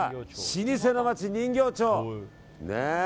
老舗の街、人形町。